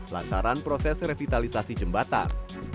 lantaran proses revitalisasi jembatan